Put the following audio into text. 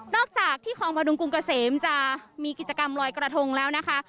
อกจากที่คลองประดุงกรุงเกษมจะมีกิจกรรมลอยกระทงแล้วนะคะ